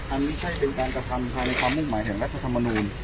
ไม่ใช่เป็นการกระทำภายในความมุ่งหมายแห่งรัฐธรรมนูล